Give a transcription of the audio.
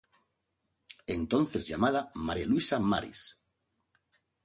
Entonces llamada María Luisa Maris.